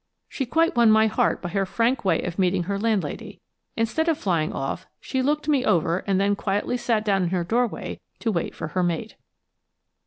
She quite won my heart by her frank way of meeting her landlady. Instead of flying off, she looked me over and then quietly sat down in her doorway to wait for her mate.